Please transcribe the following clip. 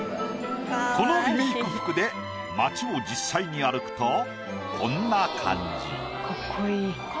このリメイク服で街を実際に歩くとこんな感じ。